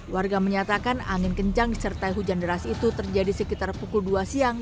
warga menyatakan angin kencang disertai hujan deras itu terjadi sekitar pukul dua siang